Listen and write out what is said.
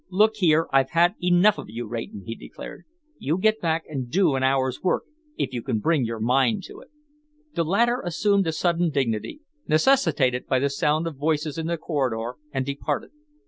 "Look here, I've had enough of you, Rayton," he declared. "You get back and do an hour's work, if you can bring your mind to it." The latter assumed a sudden dignity, necessitated by the sound of voices in the corridor, and departed.